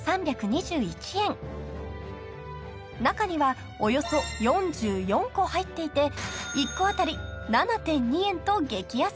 ［中にはおよそ４４個入っていて１個当たり７．２円と激安］